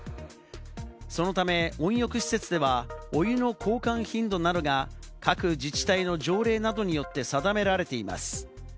そのため、温浴施設では、お湯の交換頻度などが各自治体の条例などによって定められています。